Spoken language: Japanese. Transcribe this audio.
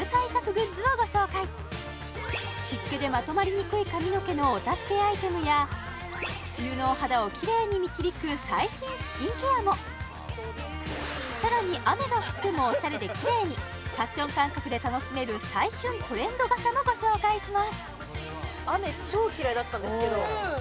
湿気でまとまりにくい髪の毛のお助けアイテムや梅雨のお肌をきれいに導く最新スキンケアもさらに雨が降ってもおしゃれできれいにファッション感覚で楽しめる最旬トレンド傘もご紹介します